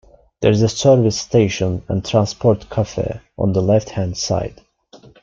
There is a service station and transport cafe on the left hand side.